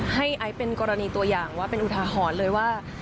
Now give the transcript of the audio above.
ไอซ์เป็นกรณีตัวอย่างว่าเป็นอุทาหรณ์เลยว่า